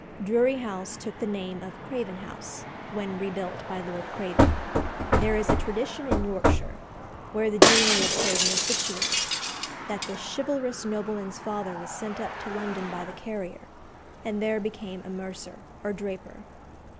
Drury House took the name of Craven House when rebuilt by Lord Craven. There is a tradition in Yorkshire, where the deanery of Craven is situated, that this chivalrous nobleman's father was sent up to London by the carrier, and there became a mercer or draper.